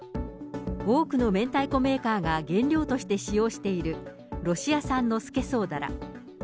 多くの明太子メーカーが原料として使用しているロシア産のスケソウダラ。